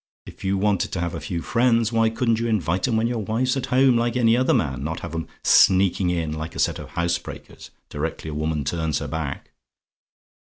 If you wanted to have a few friends, why couldn't you invite 'em when your wife's at home, like any other man? not have 'em sneaking in, like a set of housebreakers, directly a woman turns her back.